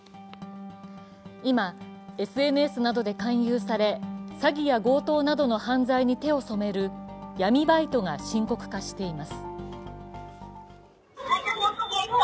今ＳＮＳなどで勧誘され詐欺や強盗などの犯罪に手を染める闇バイトが深刻化しています。